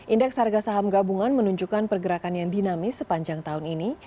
indeks harga saham gabungan menunjukkan pergerakan yang dinamis sepanjang tahun ini